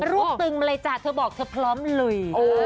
รวบตึงมาเลยจ้ะเธอบอกเธอพร้อมลุย